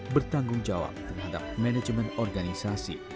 bertanggung jawab terhadap manajemen organisasi